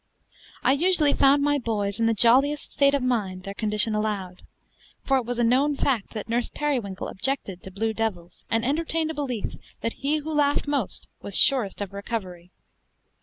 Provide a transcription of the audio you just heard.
I usually found my boys in the jolliest state of mind their condition allowed; for it was a known fact that Nurse Periwinkle objected to blue devils, and entertained a belief that he who laughed most was surest of recovery.